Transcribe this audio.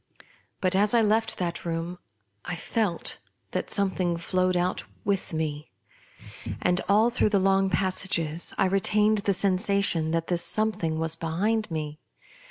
But, as I left that room I felt that something flowed out with me ; and, all through the long passages, I retained the sen sation that this something was behind me.